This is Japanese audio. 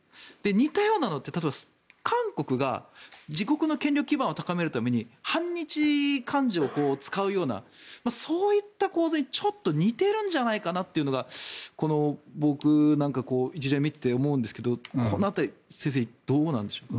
似たようなのって例えば、韓国が自国の権力基盤を高めるために反日感情を使うようなそういった構図にちょっと似てるんじゃないかなというのが僕なんか、事例を見ていて思うんですけどこの辺り先生どうなんでしょう。